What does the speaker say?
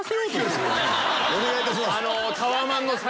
お願いいたします。